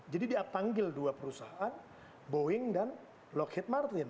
jadi dia panggil dua perusahaan boeing dan lockheed martin